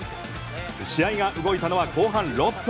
試合が動いたのは後半６分。